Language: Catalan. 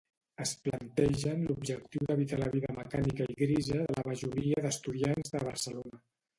Es plantegen l'objectiu d'evitar la vida mecànica i grisa de la majoria d'estudiants de Barcelona.